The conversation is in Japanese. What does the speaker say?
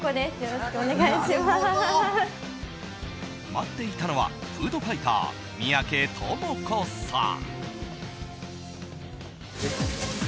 待っていたのはフードファイター三宅智子さん。